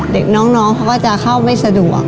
เด็กน้องเขาก็จะเข้าไม่สะดวก